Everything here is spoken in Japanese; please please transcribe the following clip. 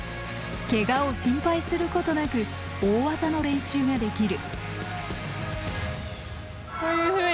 ケガを心配することなく大技の練習ができる。